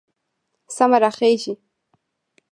سمه راخېژي